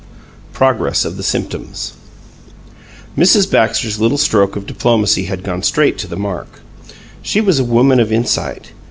XII PROGRESS OF THE SYMPTOMS Mrs. BAXTER'S little stroke of diplomacy had gone straight to the mark, she was a woman of insight.